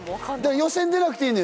予選出なくていいのよ